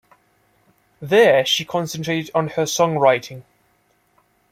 There she concentrated on her songwriting.